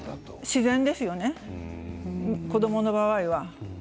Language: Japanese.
自然ですね子どもの場合は。